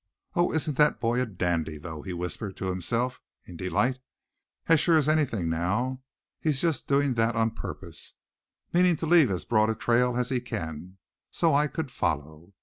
"Oh! isn't that boy a dandy, though?" he whispered to himself, in delight; "as sure as anything now, he's just doing that on purpose, meaning to leave as broad a trail as he can, so I could follow.